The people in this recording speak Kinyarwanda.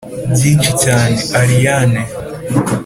byinshi cyane, allayne?